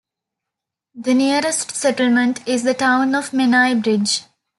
The nearest settlement is the town of Menai Bridge.